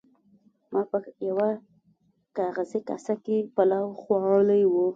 ما په یوه کاغذي کاسه کې پلاو خوړلی و.